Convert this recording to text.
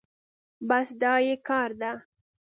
بس دا يې کار ده.